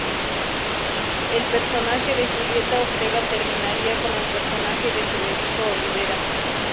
El personaje de Julieta Ortega terminaría con el personaje de Federico Olivera.